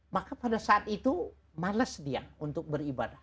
maka pada saat itu males dia untuk beribadah